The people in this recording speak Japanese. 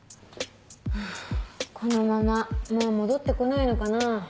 このままもう戻って来ないのかな？